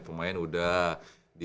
pemain udah di